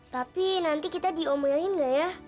tapi nanti kita diomelin gak ya